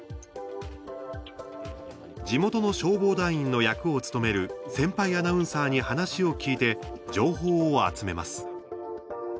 地元の消防団員の役を務める先輩アナウンサーに話を聞いて情報を集めます。